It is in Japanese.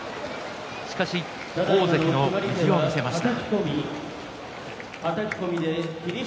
大関の意地を見せました。